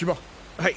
はい。